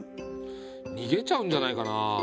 逃げちゃうんじゃないかな？